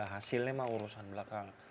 hasilnya mah urusan belakang